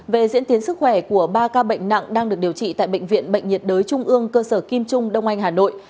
về diễn tiến sức khỏe của ba ca bệnh nặng đang được điều trị tại bệnh viện bệnh nhiệt đới trung ương cơ sở kim trung đông anh hà nội